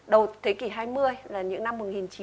đầu thế kỷ hai mươi là những năm một nghìn chín trăm linh